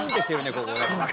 ここね。